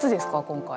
今回。